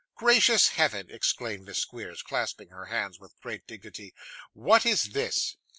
'Gracious heavens!' exclaimed Miss Squeers, clasping her hands with great dignity. 'What is this?